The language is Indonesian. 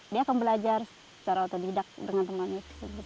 dia akan belajar secara otodidak dengan temannya